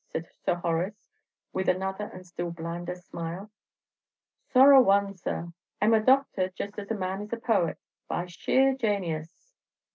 said Sir Horace, with another and still blander smile. "Sorra one, sir! I 'm a doctor just as a man is a poet, by sheer janius!